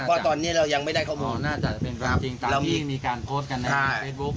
ว่าตอนนี้เรายังไม่ได้ข้อมูลน่าจะเป็นความจริงตามที่มีการโพสต์กันในเฟซบุ๊ค